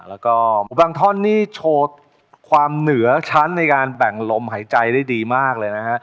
แล้วก็บางท่อนนี่โชว์ความเหนือชั้นในการแบ่งลมหายใจได้ดีมากเลยนะฮะ